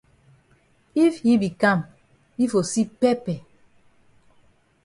If yi be kam yi for see pepper.